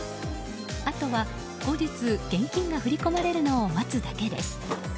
あとは後日、現金が振り込まれるのを待つだけです。